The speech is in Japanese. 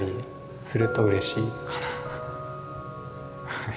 はい。